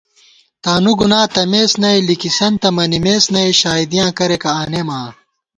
تانُوگُنا تمېس نئ، لِکِسنتہ منِمېس نئ، شائیدیاں کریَکہ آنېمہ آں